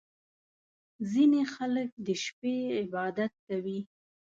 • ځینې خلک د شپې عبادت کوي.